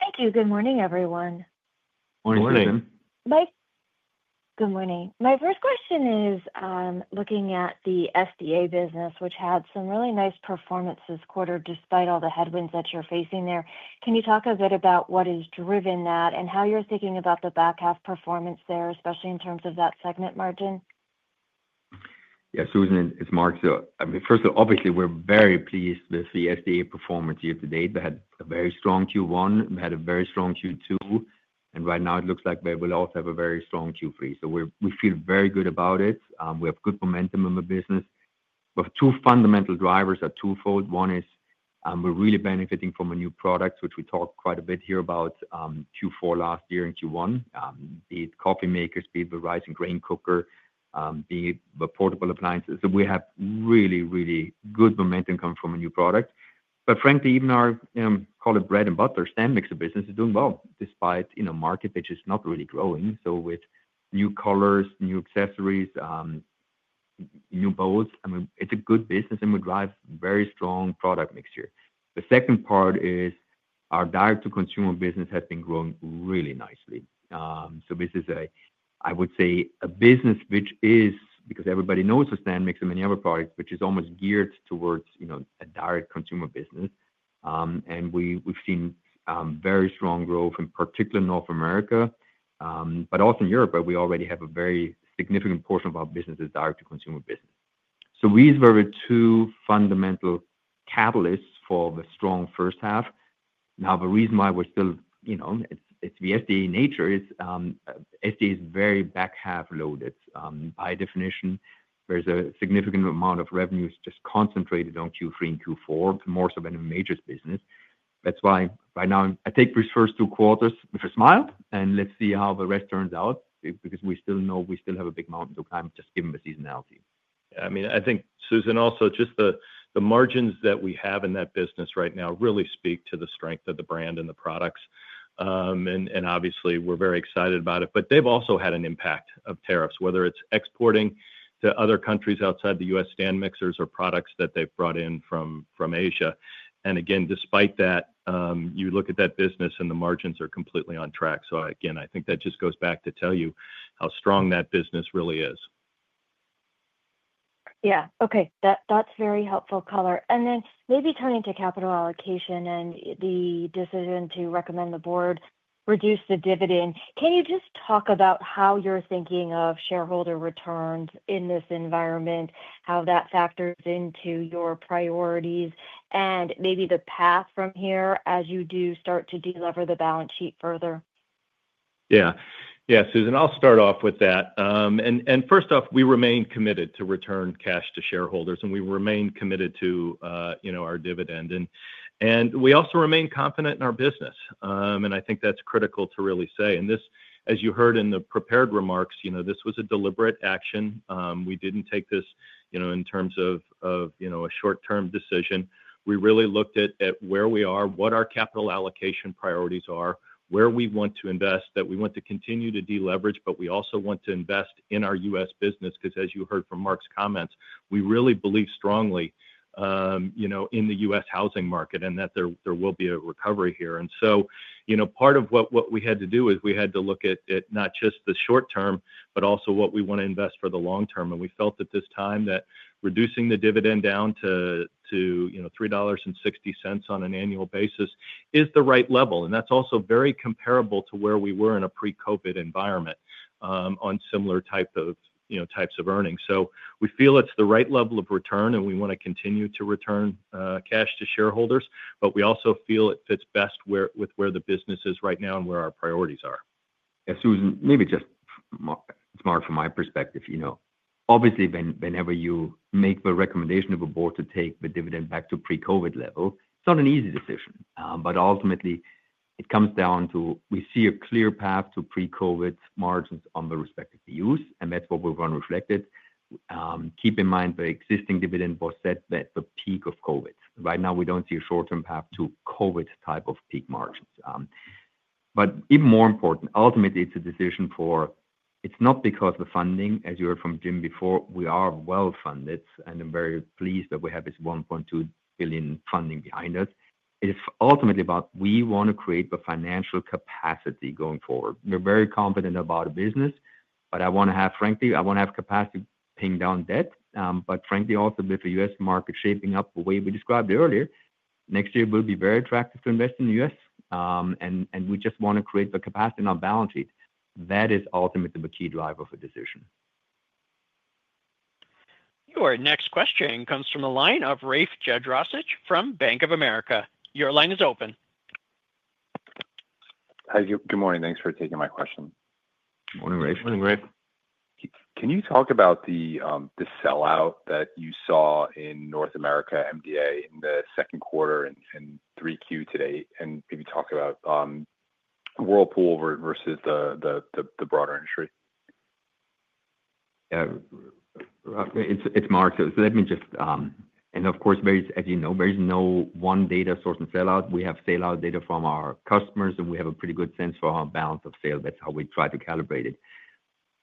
Thank you. Good morning, everyone. Good morning. My first question is looking at the SDA business, which had some really nice performance this quarter despite all the headwinds that you're facing there. Can you talk a bit about what has driven that and how you're thinking about the back half performance there, especially in terms of that segment margin? Yeah, Susan, it's Marc. First of all, obviously we're very pleased with the SDA performance year to date. We had a very strong Q1, we had a very strong Q2, and right now it looks like we will also have a very strong Q3. We feel very good about it. We have good momentum in the business. The two fundamental drivers are twofold. One is we're really benefiting from a new product, which we talked quite a bit here about Q4 last year and Q1, be it coffee makers, be it the rice and grain cooker, be it the portable appliances. We have really, really good momentum coming from a new product. Frankly, even our, call it, bread and butter stand mixer business is doing well despite a market which is not really growing. With new colors, new accessories, new bowls, it's a good business and we drive very strong product mixture. The second part is our direct to consumer business has been growing really nicely. This is, I would say, a business which is because everybody knows stand mixer and many other products, which is almost geared towards a direct consumer business. We've seen very strong growth in particular in North America, but also in Europe, where we already have a very significant portion of our business as direct to consumer business. These were the two fundamental catalysts for the strong first half. The reason why we're still, you know, it's the SDA nature is SDA is very back half loaded by definition. There's a significant amount of revenues just concentrated on Q3 and Q4, more so than in the majors business. That's why right now I take these first two quarters with a smile and let's see how the rest turns out. We still know we still have a big mountain to climb, just given the seasonality. I mean, I think, Susan, also just the margins that we have in that business right now really speak to the strength of the brand and the products. Obviously we're very excited about it. They've also had an impact of tariffs, whether it's exporting to other countries outside the U.S. stand mixers or products that they've brought in from Asia. Again, despite that, you look at that business and the margins are completely on track. I think that just goes back to tell you how strong that business really is. Yeah, okay, that's very helpful color. Maybe turning to capital allocation and the decision to recommend the board reduce the dividend. Can you just talk about how you're thinking of shareholder returns in this environment, how that factors into your priorities and maybe the path from here as you do start to delever the balance sheet further. Yes, Susan, I'll start off with that. First off, we remain committed to return cash to shareholders and we remain committed to our dividend and we also remain confident in our business. I think that's critical to really say, and this, as you heard in the prepared remarks, this was a deliberate action. We didn't take this in terms of a short term decision. We really looked at where we are, what our capital allocation priorities are, where we want to invest, that we want to continue to deleverage, but we also want to invest in our U.S. business because as you heard from Marc's comments, we really believe strongly in the U.S. housing market and that there will be a recovery here. Part of what we had to do is we had to look at not just the short term, but also what we want to invest for the long term. We felt at this time that reducing the dividend down to $3.60 on an annual basis is the right level. That's also very comparable to where we were in a pre-COVID environment on similar types of earnings. We feel it's the right level of return and we want to continue to return cash to shareholders. We also feel it fits best with where the business is right now and where our priorities are. Susan, maybe just smart from my perspective. Obviously, whenever you make the recommendation of a board to take the annual dividend back to pre-COVID level, it's not an easy decision. Ultimately, it comes down to we see a clear path to pre-COVID margins on the respective views, and that's what we've reflected. Keep in mind the existing annual dividend was set at the peak of COVID. Right now, we don't see a short-term path to COVID type of peak margins. Even more important, ultimately it's a decision for, it's not because the funding, as you heard from Jim before, we are well funded and I'm very pleased that we have this $1.2 billion funding behind us. It is ultimately about we want to create the financial capacity going forward. We're very confident about our business, but I want to have, frankly, I want to have capacity paying down debt. Frankly, also with the U.S. market shaping up the way we described earlier, next year will be very attractive to invest in the U.S., and we just want to create the capacity in our balance sheet. That is ultimately the key driver for the decision. Your next question comes from the line of Rafe Jadrosich from Bank of America.Your line is open. Hi, good morning. Thanks for taking my question. Morning Rafe. Morning Rafe. Can you talk about the sellout you saw in North America MDA in the second quarter and 3Q today, and maybe talk about Whirlpool versus the broader industry. It's Marc, let me just. Of course, as you know, there is no one data source in sellout. We have sellout data from our customers, and we have a pretty good sense for our balance of sale. That's how we try to calibrate it.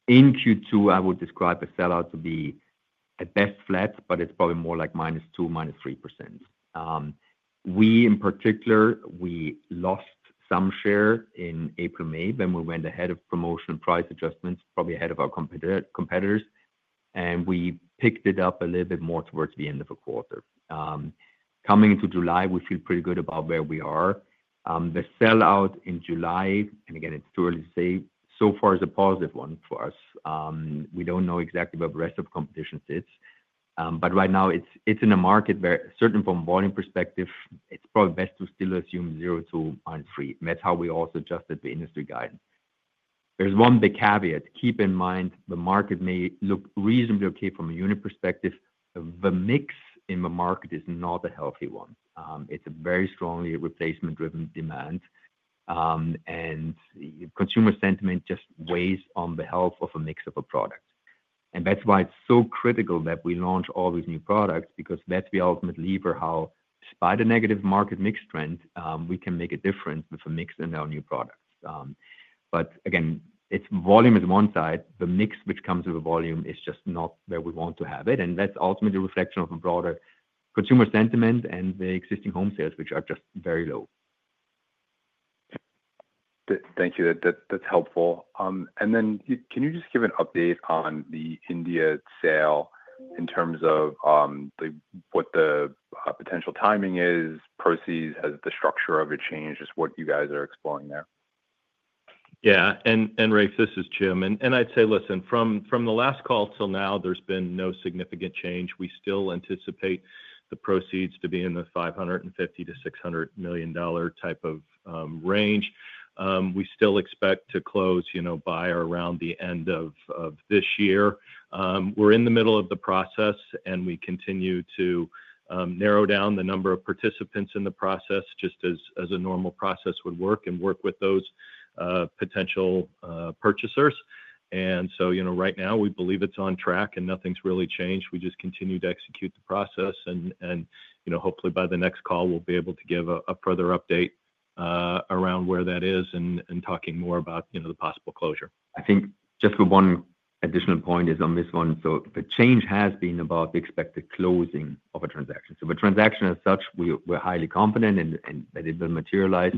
In Q2, I would describe sellout to be at best flat, but it's probably more like -2%, -3%. In particular, we lost some share in April, May when we went ahead of promotion and price adjustments, probably ahead of our competitors, and we picked it up a little bit more towards the end of the quarter. Coming into July, we feel pretty good about where we are. The sellout in July, and again it's too early to say so far, is a positive one for us. We don't know exactly where the rest of competition sits, but right now it's in a market where certainly from a volume perspective it's probably best to still assume 0%-3%. That's how we also adjusted the industry guidance. There's one big caveat. Keep in mind the market may look reasonably okay from a unit perspective. The mix in the market is not a healthy one. It's a very strongly replacement-driven demand, and consumer sentiment just weighs on behalf of a mix of a product. That's why it's so critical that we launch all these new products because that's the ultimate lever how, despite a negative market mix trend, we can make a difference with a mix in our new products. Again, volume is one side. The mix which comes with volume is just not where we want to have it, and that's ultimately a reflection of a broader consumer sentiment and the existing home sales, which are just very low. Thank you, that's helpful. Can you just give an update on the India sale in terms of what the potential timing is, proceeds. Has the structure of it changed? What are you guys exploring there? Yeah, and Rafe, this is Jim and I'd say listen, from the last call till now there's been no significant change. We still anticipate the proceeds to be in the $550 million-$600 million type of range. We still expect to close by around the end of this year. We're in the middle of the process and we continue to narrow down the number of participants in the process just as a normal process would work and work with those potential purchasers. Right now we believe it's on track and nothing's really changed. We just continue to execute the process and hopefully by the next call we'll be able to give a further update around where that is and talking more about the possible closure. I think just for one additional point is on this one. The change has been about the expected closing of a transaction. The transaction as such, we're highly confident that it will materialize.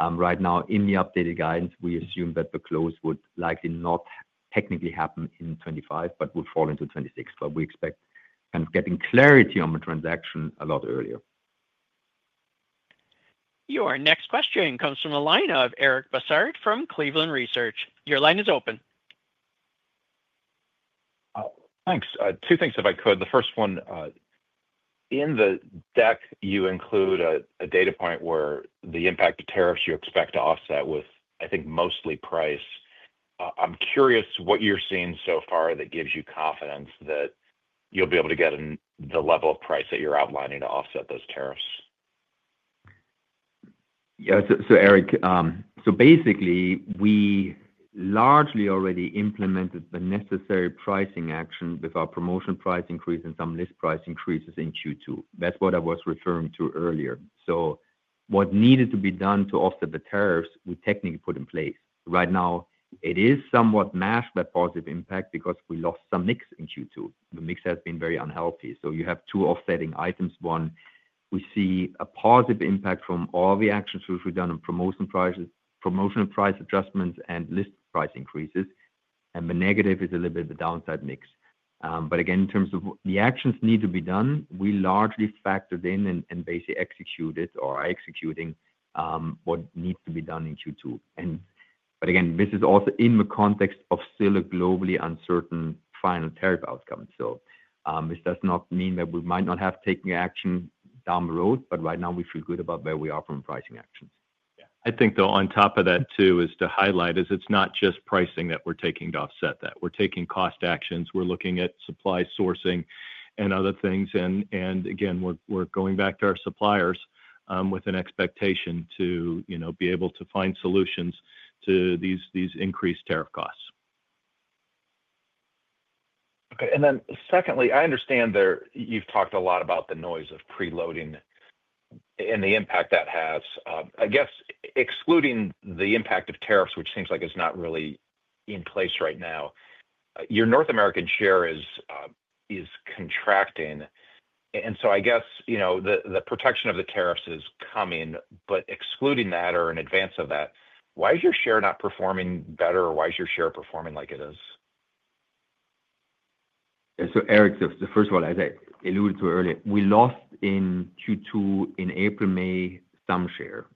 Right now, in the updated guidance, we assume that the close would likely not technically happen in 2025 but would fall into 2026. We expect getting clarity on the transaction a lot earlier. Your next question comes from the line of Eric Bosshard from Cleveland Research.Your line is open. Thanks. Two things, if I could. The first one in the deck include a data point where the impact of tariffs you expect to offset with, I think, mostly price. I'm curious what you're seeing so far that gives you confidence that you'll be able to get the level of price that you're outlining to offset those tariffs. Yeah. So Eric, basically we largely already implemented the necessary pricing action with our promotion price increase and some list price increases in Q2. That's what I was referring to earlier. What needed to be done to offset the tariffs we technically put in place right now is somewhat matched by that positive impact because we lost some mix in Q2. The mix has been very unhealthy. You have two offsetting items. One, we see a positive impact from all the actions which we've done in promotional price adjustments and list price increases. The negative is a little bit of a downside mix. Again, in terms of the actions that need to be done, we largely factored in and basically executed or are executing what needs to be done in Q2. This is also in the context of still a globally uncertain final tariff outcome. This does not mean that we might not have to take action down the road, but right now we feel good about where we are from pricing actions. I think on top of that too is to highlight it's not just pricing that we're taking to offset that. We're taking cost actions, we're looking at supply sourcing and other things. We're going back to our suppliers with an expectation to be able to find solutions to these increased tariff costs. Okay. I understand you've talked a lot about the noise of preloading and the impact that has. I guess excluding the impact of tariffs. Which seems like it's not really in place right now. Your North American share is contracting. I guess the protection of the tariffs are coming. Excluding that or in advance of that, why is your share not performing better? Why is your share performing like it is? Eric, first of all, as I alluded to earlier, we lost in Q2 in April, May, some share.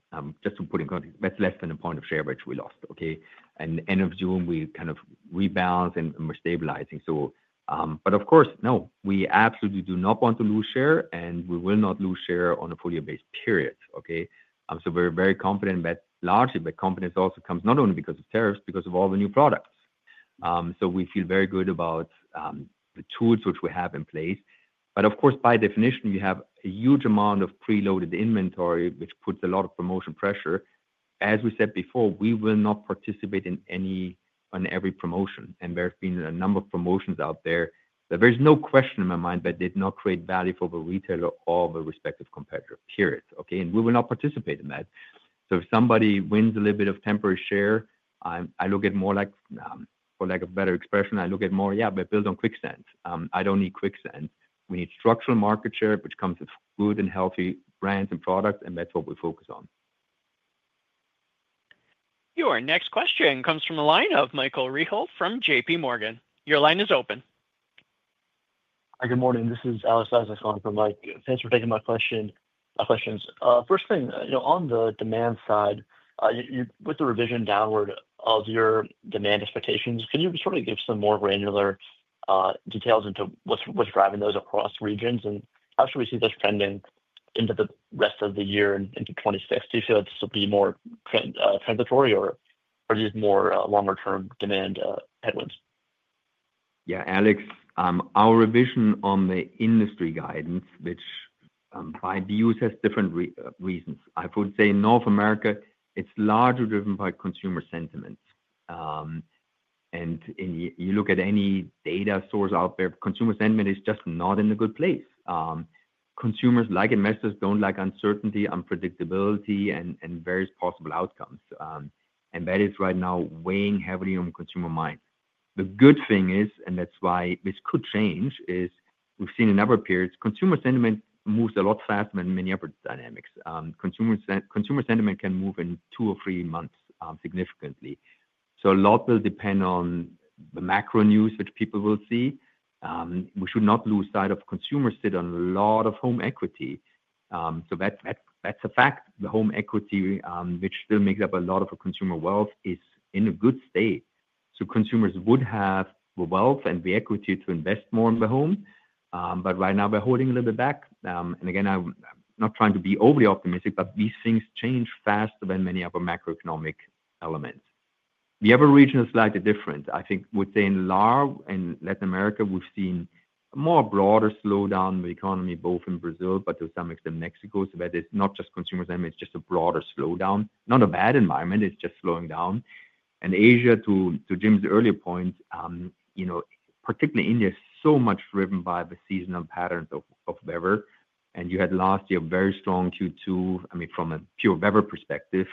Just to put in context, that's less than a point of share, which we lost. At the end of June, we kind of rebalanced and we're stabilizing. Of course, we absolutely do not want to lose share and we will not lose share on a full-year based period. We're very confident that largely the confidence also comes not only because of tariffs, but because of all the new products. We feel very good about the tools which we have in place. By definition, you have a huge amount of preloaded inventory which puts a lot of promotion pressure. As we said before, we will not participate in every promotion and there have been a number of promotions out there that, there's no question in my mind, did not create value for the retailer or the respective competitor, period. We will not participate in that. If somebody wins a little bit of temporary share, I look at it more like, for lack of a better expression, I look at it more, yeah, we're built on quicksand. I don't need quicksand. We need structural market share which comes with good and healthy brands and products. That's what we focus on. Your next question comes from the line of Michael Rehaut from JPMorgan. Your line is open. Hi, good morning. This is Alex Isaac on from Mike, thanks for taking my questions. First thing, on the demand side, with the revision downward of your demand expectations, can you sort of give some more granular details into what's driving those across regions and how should we see this trending into the rest of the year and into 2016? Do you feel it's more transitory or are these more longer term demand headwinds? Yeah, Alex, our revision on the industry guidance, which by the use has different reasons, I would say in North America it's largely driven by consumer sentiment. You look at any data source out there, consumer sentiment is just not in a good place. Consumers like investors don't like uncertainty, unpredictability and various possible outcomes. That is right now weighing heavily on consumer mind. The good thing is, and that's why this could change, we've seen in other periods consumer sentiment moves a lot faster than many other dynamics. Consumer sentiment can move in two or three months significantly. A lot will depend on the macro news, which people will see. We should not lose sight of consumer sit on a lot of home equity. That's a fact. The home equity, which still makes up a lot of consumer wealth, is in a good state. Consumers would have the wealth and the equity to invest more in the home. Right now we're holding a little bit back. I'm not trying to be overly optimistic, but these things change faster than many other macroeconomic. The other region is slightly different, I think within LAR and Latin America we've seen more broader slowdown. The economy both in Brazil, but to some extent Mexico. That is not just consumer sentiment. It's just a broader slowdown, not a bad environment, it's just slowing down. In Asia, to Jim's earlier point, particularly India, it's so much driven by the seasonal patterns of weather. You had last year very strong Q2 from pure weather perspective.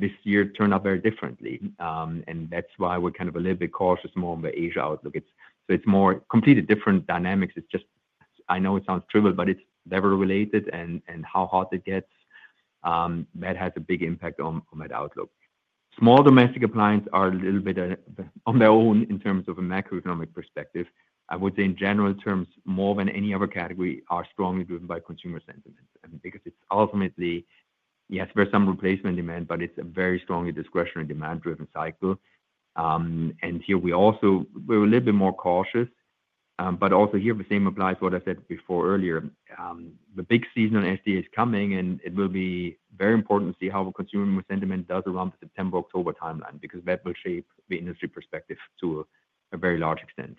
This year turned out very differently. That's why we're kind of a little bit cautious more on the Asia outlook. It's more completely different dynamics. I know it sounds trivial but it's Beverly related and how hot it gets that has a big impact on that outlook. Small domestic appliance are a little bit on their own in terms of a macroeconomic perspective. I would say in general terms, more than any other category, are strongly driven by consumer sentiment because it's ultimately, yes, there's some replacement demand, but it's a very strongly discretionary demand-driven cycle. Here, we're a little bit more cautious. Also, the same applies to what I said earlier: the big seasonal SDA is coming, and it will be very important to see how consumer sentiment does around the September-October timeline because that will shape the industry perspective to a very large extent.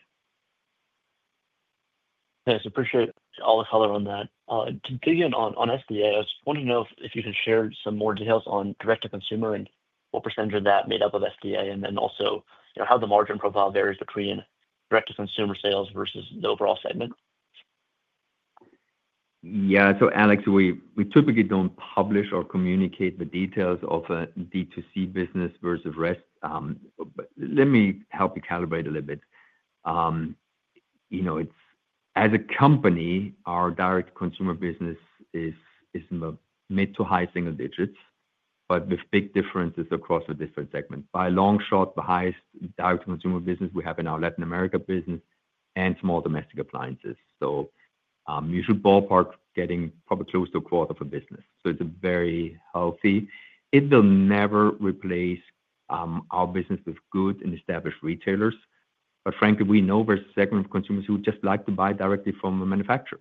Thanks. Appreciate all the color on that. To dig in on SDA, I just wanted to know if you could share some more details on direct to consumer and what percentage of that is made up of SDA, and then also how the margin profile varies between direct to consumer sales versus the overall segment? Yeah. Alex, we typically don't publish or communicate the details of a D2C business versus the rest. Let me help you calibrate a little bit. As a company, our direct-to-consumer business is in the mid to high single-digits, but with big differences across the different segments by a long shot. The highest direct-to-consumer business we have is in our Latin America business and small domestic appliances. You should ballpark getting probably close to a quarter of the business, so it's very healthy. It will never replace our business with good and established retailers. Frankly, we know there's a segment of consumers who just like to buy directly from a manufacturer.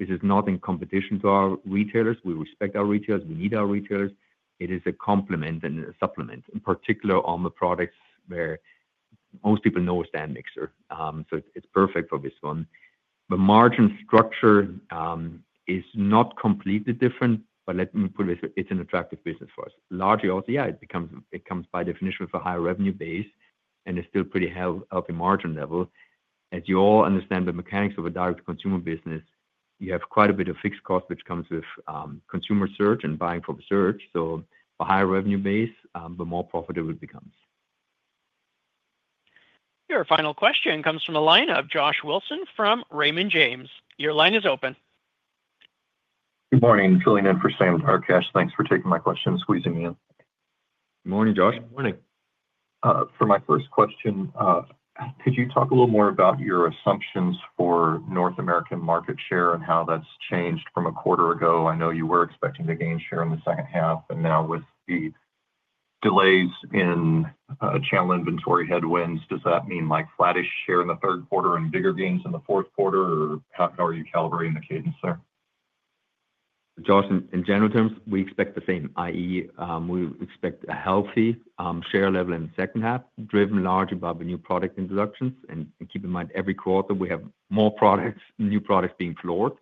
This is not in competition with our retailers. We respect our retailers. We need our retailers. It is a complement and a supplement, in particular on the products where most people know stand mixer, so it's perfect for this one. The margin structure is not completely different, but let me put, it's an attractive business for us largely also. It comes by definition with a higher revenue base, and it's still a pretty healthy margin level. As you all understand the mechanics of a direct-to-consumer business, you have quite a bit of fixed cost which comes with consumer search and buying from search. The higher revenue base, the more profitable it becomes. Your final question comes from the line of Josh Wilson from Raymond James.Your line is open. Good morning. Filling in for Sam Darkatsh. Thanks for taking my question. Squeezing me in. Good morning, Josh. Morning. For my first question, could you talk a little more about your assumptions for North American market share and how that's changed from a quarter ago. I know you were expecting to gain share in the second half, and now with the delays in channel inventory headwinds, does that mean like flattish share in the third quarter and bigger gains in the fourth quarter, or how are you calibrating the cadence there, Josh? In general terms, we expect the same. That is, we expect a healthy share level in the second half driven largely by the new product introductions. Keep in mind, every quarter we have more products, new products being floored.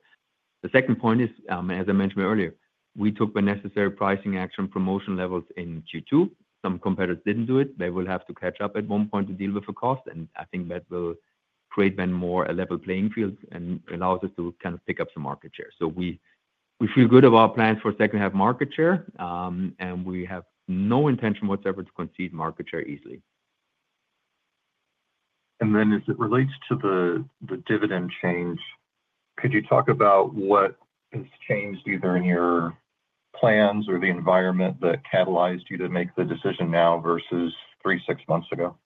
The second point is, as I mentioned earlier, we took the necessary pricing action, promotion levels in Q2. Some competitors didn't do it. They will have to catch up at one point to deal with the cost. I think that will create more of a level playing field and allows us to kind of pick up some market share. We feel good about plans for second half market share and we have no intention whatsoever to concede market share easily. As it relates to the dividend change, could you talk about what? Has changed either in your plans or the environment that catalyzed you to make the decision now versus three, six months ago?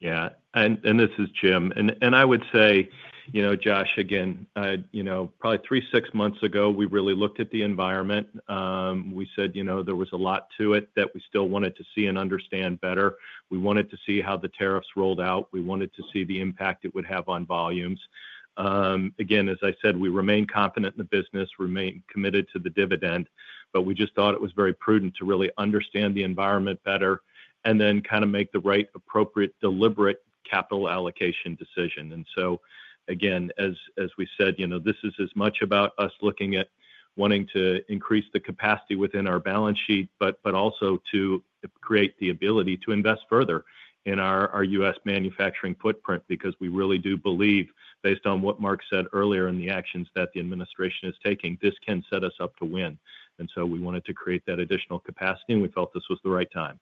Yeah, and this is Jim and I would say, you know, Josh, again, probably three, six months ago, we really looked at the environment. We said there was a lot to it that we still wanted to see and understand better. We wanted to see how the tariffs rolled out. We wanted to see the impact it would have on volumes. Again, as I said, we remain confident in the business, remain committed to the dividend, but we just thought it was very prudent to really understand the environment better and then make the right appropriate, deliberate capital allocation decision. As we said, this is as much about us looking at wanting to increase the capacity within our balance sheet, but also to create the ability to invest further in our U.S. manufacturing footprint. We really do believe, based on what Marc said earlier, in the actions that the administration is taking, this can set us up to win. We wanted to create that additional capacity and we felt this was the right time.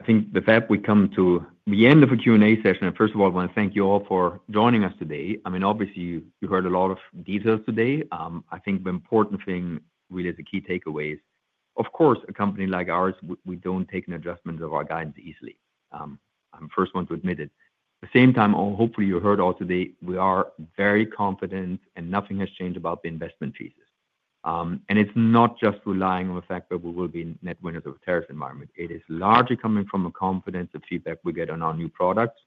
I think with that we come to the end of a Q&A session. First of all, I want to thank you all for joining us today. Obviously, you heard a lot of details today. I think the important thing really as a key takeaway is, of course, a company like ours, we don't take an adjustment of our guidance easily. I'm the first one to admit it. At the same time, hopefully you heard all today we are very confident and nothing has changed about the investment thesis. It's not just relying on the fact that we will be net winners of a tariff environment. It is largely coming from a confidence and feedback we get on our new products.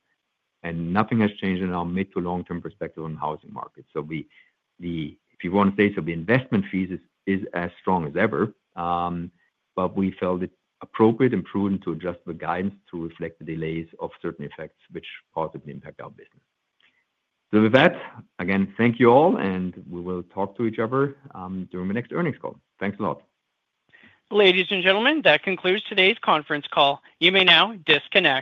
Nothing has changed in our mid to long term perspective on housing markets. If you want to say so, the investment thesis is as strong as ever, but we felt it appropriate and prudent to adjust the guidance to reflect the delays of certain effects which positively impact our business. With that, again, thank you all and we will talk to each other during the next earnings call. Thanks a lot. Ladies and gentlemen, that concludes today's conference call. You may now disconnect.